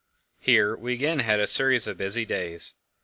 Here we again had a series of busy days.